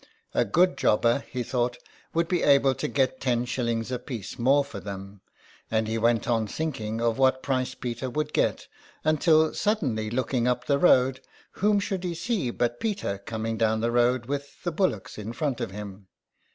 A good jobber, he thought, would be able to get ten shillings apiece 119 THE EXILE. more for them ; and he went on thinking of what price Peter would get, until, suddenly looking up the road, whom should he see but Peter coming down the road with the bullocks in front of him.